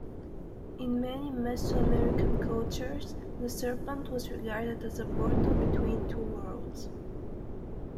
In many Meso-American cultures, the serpent was regarded as a portal between two worlds.